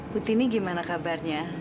putri ini gimana kabarnya